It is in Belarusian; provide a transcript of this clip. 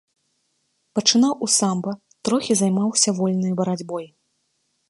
Пачынаў у самба, трохі займаўся вольнай барацьбой.